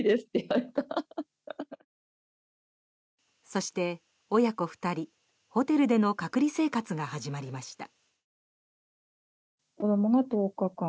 そして親子２人、ホテルでの隔離生活が始まりました。